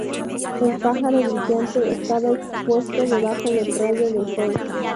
El pájaro brillante estaba expuesto debajo del rayo de sol.